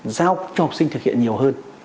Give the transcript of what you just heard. giao cho học sinh thực hiện nhiều hơn